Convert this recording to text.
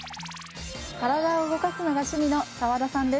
体を動かすのが趣味の澤田さんです。